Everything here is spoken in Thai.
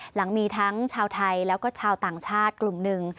หลังมีทั้งชาวไทยแล้วก็ชาวต่างชาติกลุ่มหนึ่ง